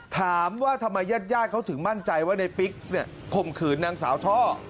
ถามว่าทำไมญาติญาติเขาถึงมั่นใจว่าในปิ๊กข่มขืนนางสาวช่อ